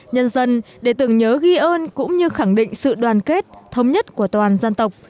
nhân dân để tưởng nhớ ghi ơn cũng như khẳng định sự đoàn kết thống nhất của toàn dân tộc